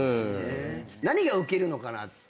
何がウケるのかなって。